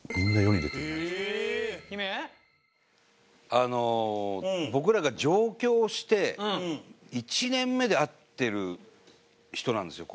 あの僕らが上京して１年目で会ってる人なんですよ